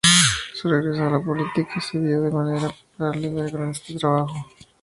Su regreso a la política se dio de manera paralela con este trabajo.